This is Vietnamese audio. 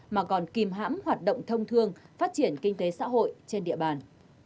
mà còn kìm hãm hoạt động thông thương phát triển kinh tế xã hội trên địa bàn